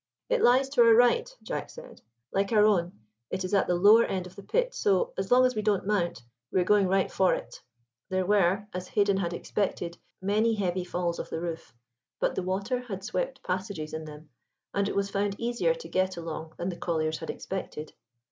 "It lies to our right," Jack said. "Like our own, it is at the lower end of the pit, so, as long as we don't mount, we are going right for it." There were, as Haden had expected, many heavy falls of the roof, but the water had swept passages in them, and it was found easier to get along than the colliers had expected.